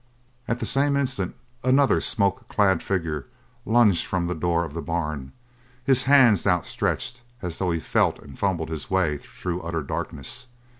At the same instant, another smoke clad figure lunged from the door of the barn, his hands outstretched as though he felt and fumbled his way through utter darkness.